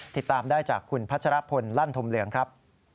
ติดตามได้จากคุณพัชรพลลั่นธมเหลืองครับ